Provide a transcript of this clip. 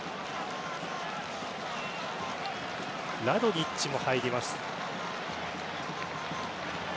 ラドニッチが入ります。